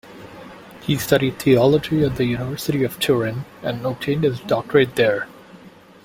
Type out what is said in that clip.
He studied theology at the University of Turin, and obtained his doctorate there.